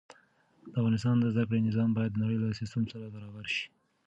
د افغانستان د زده کړې نظام باید د نړۍ له سيستم سره برابر شي.